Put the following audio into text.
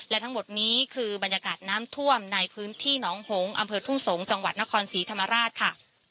และทั้งหมดนี้คือบรรยากาศน้ำท่วมในพื้นที่หนองหงษ์อำเภอทุ่งสงศ์จังหวัดนครศรีธรรมราชค่ะ